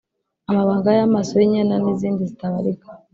Amabanga ya maso y’inyana n’izindi zitabarika